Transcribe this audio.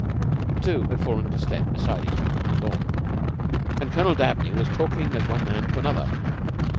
The two had fallen into step beside each other on the lawn, and Colonel Dabney was talking as one man to another.